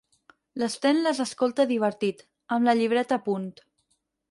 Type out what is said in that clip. L'Sten les escolta divertit, amb la llibreta a punt.